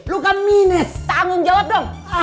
lu kan minus tanggung jawab dong